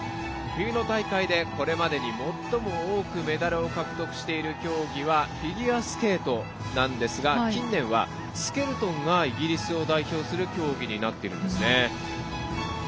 冬の大会で、これまでに最も多くメダルを獲得している競技はフィギュアスケートなんですが近年はスケルトンがイギリスを代表する競技になっているんですね。